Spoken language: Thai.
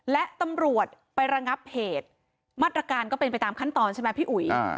และตำรวจไประงับเหตุมาตรการก็เป็นไปตามขั้นตอนใช่ไหมพี่อุ๋ย